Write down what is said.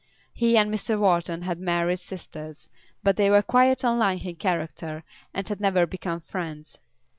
He and Mr. Wharton had married sisters, but they were quite unlike in character and had never become friends.